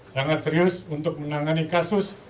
sangat serius untuk menangani kasus